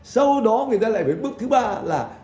sau đó người ta lại với bước thứ ba là